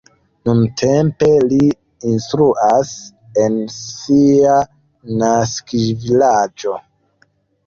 Nuntempe li instruas en sia naskiĝvilaĝo.